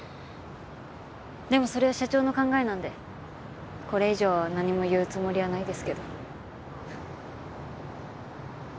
でもそれは社長の考えなんでこれ以上何も言うつもりはないですけど。